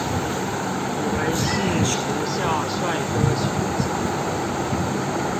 以為是學校帥哥學長